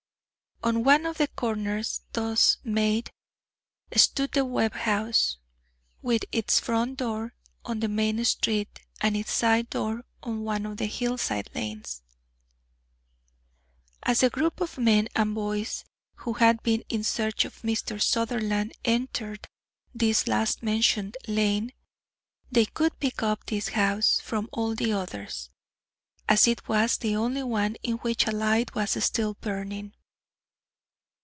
On one of the corners thus made, stood the Webb house, with its front door on the main street and its side door on one of the hillside lanes. As the group of men and boys who had been in search of Mr. Sutherland entered this last mentioned lane, they could pick out this house from all the others, as it was the only one in which a light was still burning.